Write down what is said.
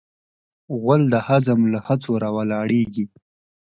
غول د هضم له هڅو راولاړیږي.